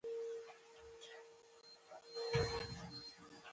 د دولت په قاطع اقدام سره لویه برخه پانګه نابوده شوه.